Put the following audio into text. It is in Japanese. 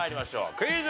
クイズ。